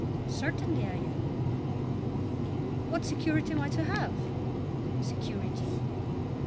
"Certainly I am." "What security am I to have?" "Security?"